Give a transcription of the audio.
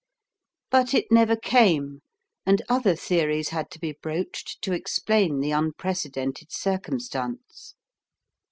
But it never came, and other theories had to be broached to explain the unprecedented circumstance.